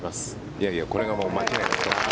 いやいやこれが間違いなくトップ。